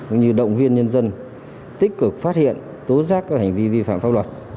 cũng như động viên nhân dân tích cực phát hiện tố giác các hành vi vi phạm pháp luật